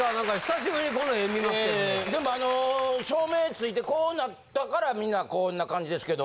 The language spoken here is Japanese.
でもあの照明ついてこうなったからみんなこんな感じですけど。